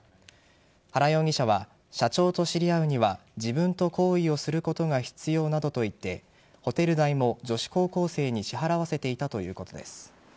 原容疑者は社長と知り合うには自分と行為をすることが必要などと言ってホテル代も女子高校生に支払わせていたということです。